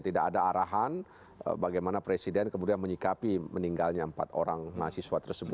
tidak ada arahan bagaimana presiden kemudian menyikapi meninggalnya empat orang mahasiswa tersebut